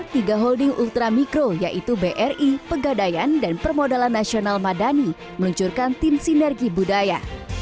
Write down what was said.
tiga holding ultramikro yaitu bri pegadaian dan permodalan nasional madani meluncurkan tim sinergi budaya